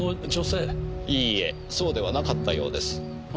いいえそうではなかったようです。え？